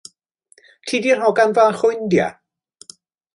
Ti 'di'r hogan fach o India?